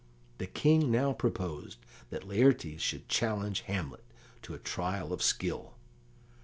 The King now proposed that Laertes should challenge Hamlet to a trial of skill.